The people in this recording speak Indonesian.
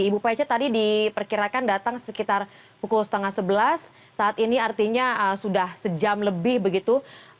ibu pece tadi diperkirakan datang sekitar pukul setengah sebelas saat ini artinya sudah sejam lebih begitu